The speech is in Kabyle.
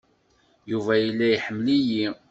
Yuba yella iḥemmel-iyi.